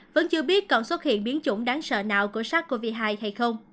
vẫn chưa biết còn xuất hiện biến chủng đáng sợ nào của sars cov hai hay không